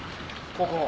ここ。